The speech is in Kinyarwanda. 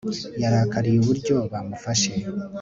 yarakariye uburyo bamufashe